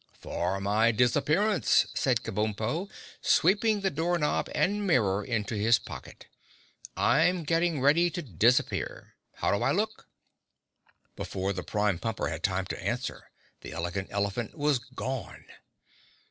"For my disappearance," said Kabumpo, sweeping the door knob and mirror into his pocket. "I'm getting ready to disappear. How do I look?" Before the Prime Pumper had time to answer, the Elegant Elephant was gone.